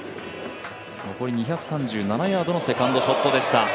残り２３７ヤードのセカンドショットでした。